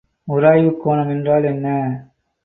உராய்வுக் கோணம் என்றால் என்ன?